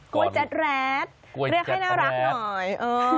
แจ็ดแรดเรียกให้น่ารักหน่อย